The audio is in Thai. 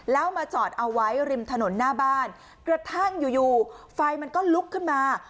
แล้วมาจอดเอาไว้ริมถนนหน้าบ้านกระทั่งอยู่อยู่ไฟมันก็ลุกขึ้นมา